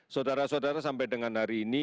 saudara saudara sampai dengan hari ini